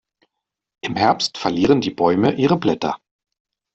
Im Herbst verlieren die Bäume ihre Blätter.